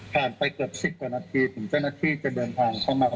ไปเกือบ๑๐กว่านาทีถึงเจ้าหน้าที่จะเดินทางเข้ามา